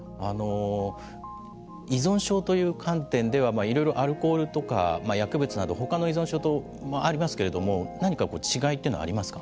依存症という観点ではいろいろアルコールとか薬物など他の依存症もありますけど何か違いというのはありますか。